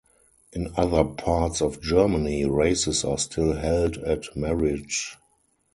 In other parts of Germany races are still held at marriage.